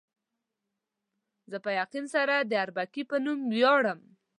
زه په یقین سره د اربکي په نامه ویاړم.